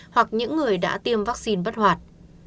hoặc những người đã tiêm vaccine bất hoạt